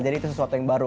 jadi itu sesuatu yang baru